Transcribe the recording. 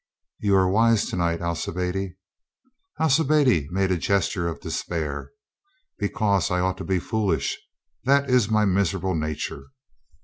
"You are wise to night, Alcibiade." Alcibiade made a gesture of despair. "Because I ought to be foolish. That is my miserable nature."